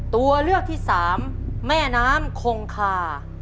ตัวเลือกที่สามแม่น้ำคงคา